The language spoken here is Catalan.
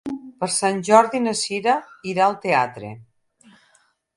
Per Sant Jordi na Cira irà al teatre.